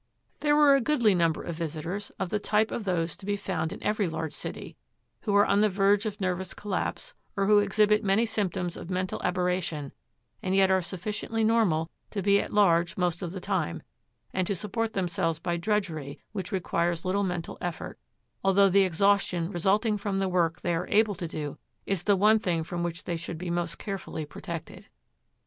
There were a goodly number of visitors, of the type of those to be found in every large city, who are on the verge of nervous collapse or who exhibit many symptoms of mental aberration and yet are sufficiently normal to be at large most of the time and to support themselves by drudgery which requires little mental effort, although the exhaustion resulting from the work they are able to do is the one thing from which they should be most carefully protected.